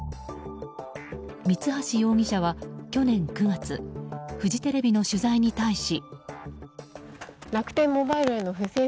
三橋容疑者は去年９月フジテレビの取材に対し。